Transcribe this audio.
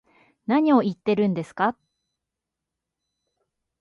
何を言ってるんですか